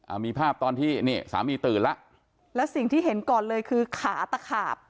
มีภาพตอนที่นี่สามีตื่นแล้วแล้วสิ่งที่เห็นก่อนเลยคือขาตะขาบ